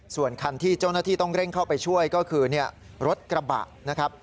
ส่วนคันที่เจ้าหน้าที่ต้องเร่งเข้าไปช่วยก็คือรถกระบะนะครับ